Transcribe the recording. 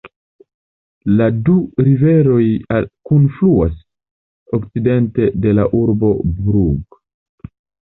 La du riveroj kunfluas okcidente de la urbo Brugg.